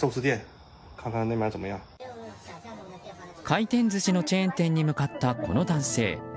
回転寿司のチェーン店に向かった、この男性。